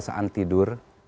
dasar kebiasaan tidur